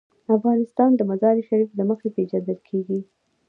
افغانستان د مزارشریف له مخې پېژندل کېږي.